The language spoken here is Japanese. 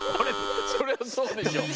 そりゃそうでしょ。